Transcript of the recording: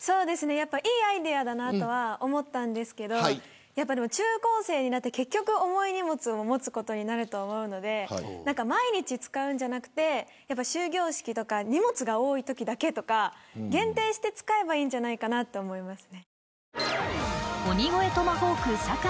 いいアイデアとは思ったんですが中高生になって結局重い荷物を持つことになると思うので毎日使うんじゃなくて終業式とか荷物が多いときだけとか限定して使えばいいんじゃないとかと思います。